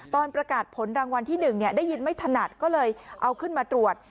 ตอนประกาศผลรางวัลที่๑ได้ยินไม่ถนัดก็เลยเอาขึ้นมาตรวจ